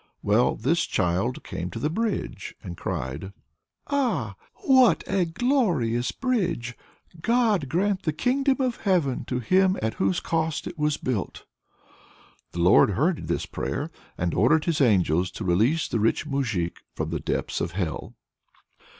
Well, this child came to the bridge, and cried: "Ah! what a glorious bridge! God grant the kingdom of heaven to him at whose cost it was built!" The Lord heard this prayer, and ordered his angels to release the rich moujik from the depths of hell.